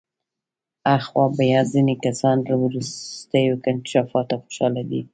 آخوا بیا ځینې کسان له وروستیو انکشافاتو خوشحاله دي.